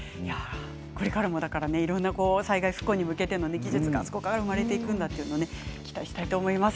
これからもいろんな災害復興に向けてのいろんな技術が、あそこから生まれていくんだということを期待したいと思います。